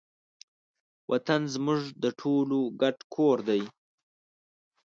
وطن زموږ د ټولو ګډ کور دی.